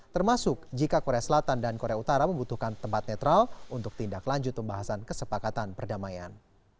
termasuk jika korea selatan dan korea utara membutuhkan tempat netral untuk tindak lanjut pembahasan kesepakatan perdamaian